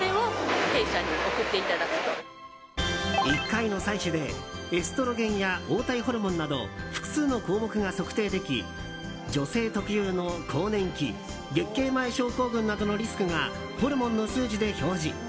１回の採取でエストロゲンや黄体ホルモンなど複数の項目が測定でき女性特有の更年期月経前症候群などのリスクがホルモンの数値で表示。